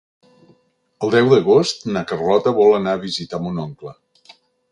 El deu d'agost na Carlota vol anar a visitar mon oncle.